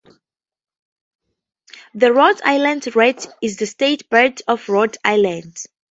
The Rhode Island Red is the state bird of Rhode Island.